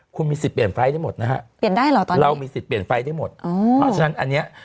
คุณมีสิทธิ์เปลี่ยนไฟล์ไลน์ได้หมดนะฮะเปลี่ยนได้เหรอตอนนี้เรามีสิทธิ์เปลี่ยนไฟล์ไลน์ได้หมด